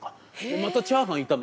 またチャーハン炒めて。